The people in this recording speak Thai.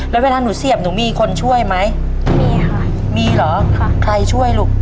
แล้วเวลาหนูเสียบหนูมีคนช่วยไหมมีค่ะมีเหรอค่ะใครช่วยลูก